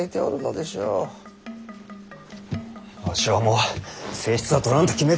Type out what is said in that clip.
わしはもう正室はとらんと決めておる。